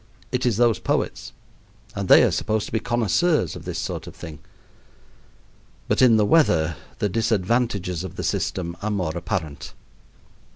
It is those poets. And they are supposed to be connoisseurs of this sort of thing); but in the weather the disadvantages of the system are more apparent.